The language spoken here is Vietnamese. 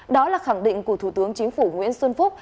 đó là khẳng định của thủ tướng chính phủ nguyễn xuân phúc